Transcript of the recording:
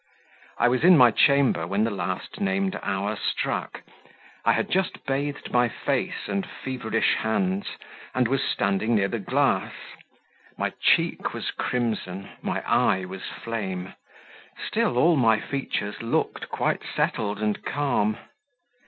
I was in my chamber when the last named hour struck; I had just bathed my face and feverish hands, and was standing near the glass; my cheek was crimson, my eye was flame, still all my features looked quite settled and calm.